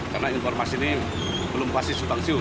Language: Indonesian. karena informasi ini belum pasti supansi